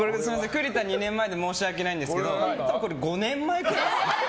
栗田が２年前で申し訳ないんですけど多分これ５年前ぐらいですね。